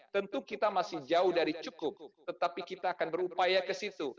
tentu kita masih jauh dari cukup tetapi kita akan berupaya ke situ